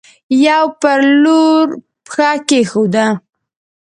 يوه پر لور پښه کيښوده.